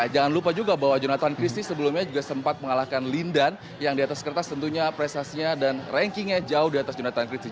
jangan lupa juga bahwa jonathan christie sebelumnya juga sempat mengalahkan lindan yang di atas kertas tentunya prestasinya dan rankingnya jauh di atas jonathan christie